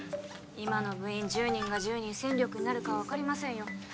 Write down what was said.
今の部員１０人が１０人戦力になるか分かりませんよ